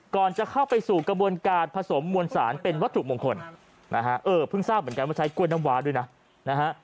จะเข้าไปสู่กระบวนการผสมมวลสารเป็นวัตถุมงคลนะฮะเออเพิ่งทราบเหมือนกันว่าใช้กล้วยน้ำว้าด้วยนะนะฮะ